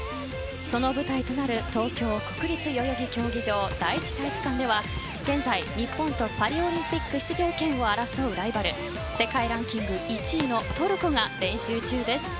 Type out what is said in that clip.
その舞台となる東京・国立代々木競技場第一体育館では現在、日本とパリオリンピック出場権を争うライバル世界ランキング１位のトルコが練習中です。